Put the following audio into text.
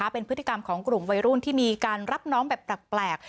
เป็นพฤติกรรมของกลุ่มวัยรุ่นที่มีการรับน้องแบบแปลก